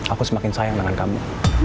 aku semakin sayang dengan kamu